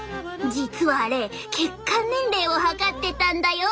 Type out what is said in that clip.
実はあれ血管年齢を測ってたんだよ。